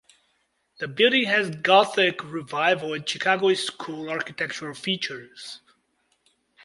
The building has Gothic Revival and Chicago School architectural features.